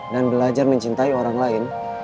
dan belajar mencintai orang lain